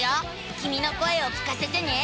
きみの声を聞かせてね。